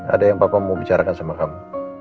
ada yang bapak mau bicarakan sama kamu